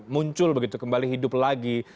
muncul begitu kembali hidup lagi